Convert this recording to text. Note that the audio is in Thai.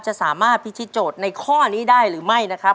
จะสามารถพิธีโจทย์ในข้อนี้ได้หรือไม่นะครับ